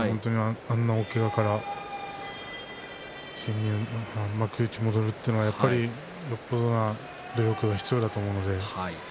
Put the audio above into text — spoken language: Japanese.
あんな大けがから幕内に戻るというのはよっぽどの努力が必要だと思うので。